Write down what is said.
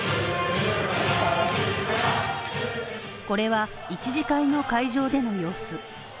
これは１次会の会場での様子